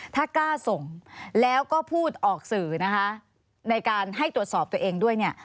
ถ้ากล้าส่งแล้วก็พูดออกสื่อนะคะในการให้ตรวจสอบตัวเองด้วยเนี่ย